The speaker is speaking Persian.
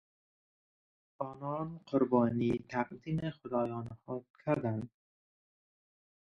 آنان قربانی تقدیم خدایان خود کردند.